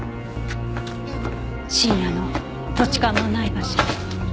深夜の土地勘もない場所。